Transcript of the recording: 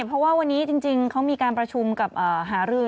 เพราะว่าวันนี้จริงเขามีการประชุมกับหารือ